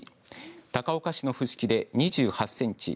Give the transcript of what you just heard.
高岡市の伏木で２８センチ